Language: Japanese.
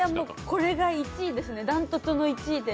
これが１位ですねダントツの１位で。